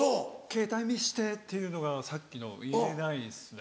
「ケータイ見せて」っていうのがさっきの言えないですね。